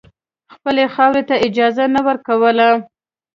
خپلې خاورې ته اجازه نه ورکوله.